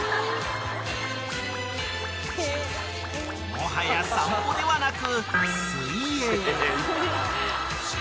［もはや散歩ではなく］